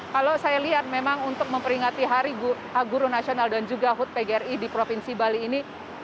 kalau saya lihat memang untuk memperingati hari guru nasional dan juga hud pgri di provinsi bali ini